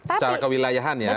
secara kewilayahan ya